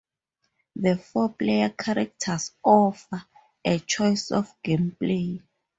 The four player characters offer a choice of gameplay.